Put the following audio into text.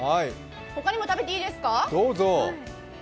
ほかにも食べていいですか？